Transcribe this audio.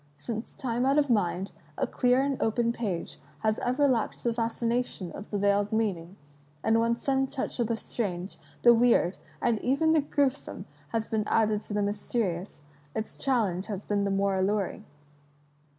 Since tinie out of mind, a dear and open page has ever lacked the fascination of the veiled meaning, and when some touch of the strange, the weird, and even the gruesome, has been added to the mysterious, its challenge has been the more alluring.